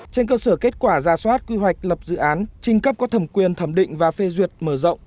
trên cơ sở kết quả ra soát quy hoạch lập dự án trình cấp có thẩm quyền thẩm định và phê duyệt mở rộng